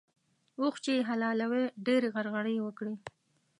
اوښ چې يې حلالوی؛ ډېرې غرغړې يې وکړې.